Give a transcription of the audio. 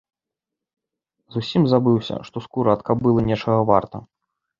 Зусім забыўся, што скура ад кабылы нечага варта.